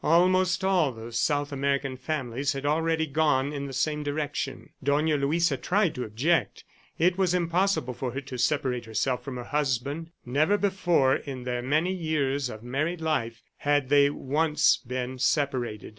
Almost all the South American families had already gone in the same direction. Dona Luisa tried to object. It was impossible for her to separate herself from her husband. Never before, in their many years of married life, had they once been separated.